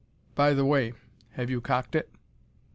By the way, have you cocked it?"